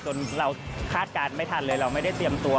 จนเราคาดการณ์ไม่ทันเลยเราไม่ได้เตรียมตัว